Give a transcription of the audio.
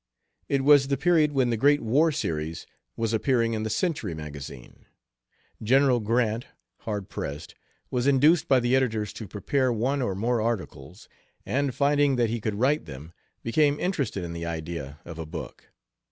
It was the period when the great War Series was appeasing in the Century Magazine. General Grant, hard pressed, was induced by the editors to prepare one or more articles, and, finding that he could write them, became interested in the idea of a book.